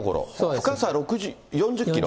深さ４０キロ。